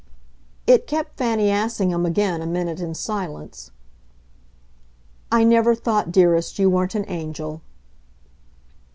It kept Fanny Assingham again a minute in silence. "I never thought, dearest, you weren't an angel."